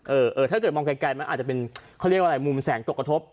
เออถ้าเกิดมองไกลมันอาจจะเป็นเขาเรียกว่าอะไรมุมแสงตกกระทบ